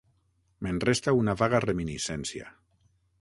Me'n resta una vaga reminiscència.